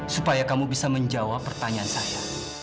supaya kamu bisa menjawab pertanyaan saya